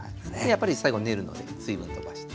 やっぱり最後練るので水分とばして。